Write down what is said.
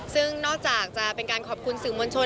ซึ่งนอกจากจะเป็นการขอบคุณสื่อมวลชน